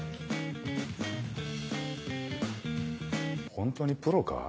ホントにプロか？